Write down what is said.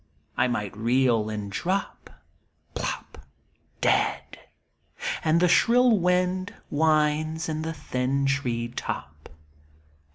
I might reel and drop. Plop Dead. And the shrill wind whines in the thin tree top.